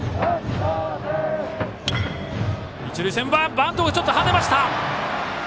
バウンドがちょっとはねました。